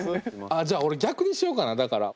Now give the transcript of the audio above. あっじゃあ俺逆にしようかなだから。